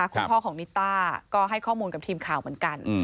คุณพ่อของนิต้าก็ให้ข้อมูลกับทีมข่าวเหมือนกัน